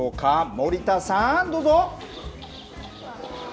森田さん、どうぞ。